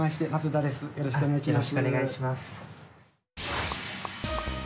よろしくお願いします。